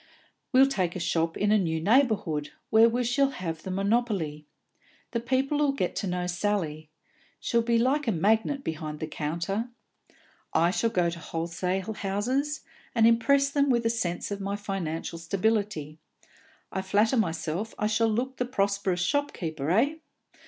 "We'll take a shop in a new neighbourhood, where we shall have the monopoly. The people 'll get to know Sally; she'll be like a magnet behind the counter. I shall go to the wholesale houses, and impress them with a sense of my financial stability; I flatter myself I shall look the prosperous shopkeeper, eh?